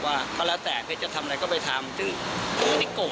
แต่ถ้าอยากจะตีเขาก็ไม่ได้อย่างนี้หรอก